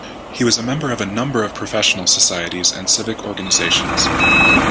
He was a member of a number of professional societies, and civic organizations.